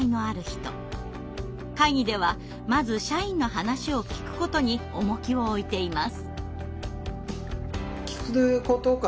会議ではまず社員の話を聞くことに重きを置いています。